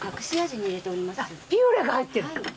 ピューレが入ってる。